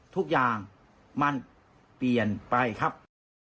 ทุกอย่างมันเปลี่ยนไปครับ